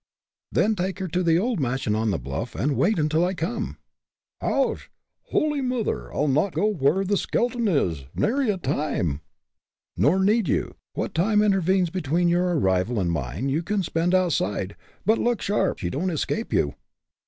"Then take her to the old mansion on the bluff and wait until I come." "Och! howly murther, I'll not go in where the skelegon is nary a time!" "Nor need you. What time intervenes between your arrival and mine you can spend outside. But look sharp she don't escape you."